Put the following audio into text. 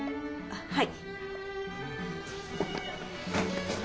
はい。